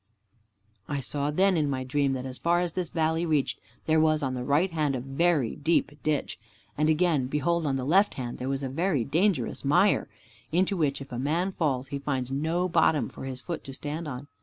I saw then in my dream, that as far as this valley reached, there was on the right hand a very deep ditch. Again, behold, on the left hand, there was a very dangerous mire, into which if a man falls he finds no bottom for his foot to stand on.